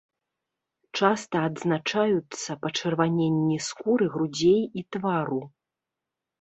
Часта адзначаюцца пачырваненні скуры грудзей і твару.